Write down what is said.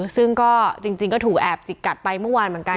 ซึ่งก็จริงก็ถูกแอบจิกกัดไปเมื่อวานเหมือนกัน